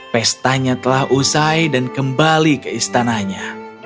pestanya telah usai dan kembali ke istananya